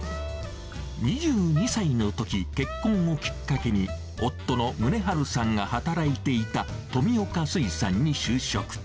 ２２歳のとき、結婚をきっかけに、夫の宗治さんが働いていた富岡水産に就職。